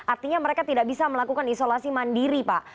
artinya mereka tidak bisa melakukan isolasi mandiri pak